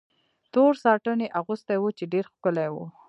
تور ساټن یې اغوستی و، چې ډېر ښکلی و.